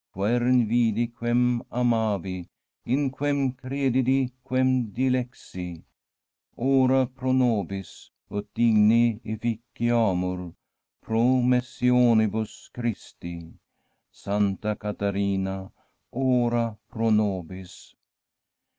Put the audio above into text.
Quern vidi, quern amavi, In quem credidi, quern dilexi, Ora pro nobis. Ut digni efficiamur promessionibus Christi! Santa Caterina, ora pro nobis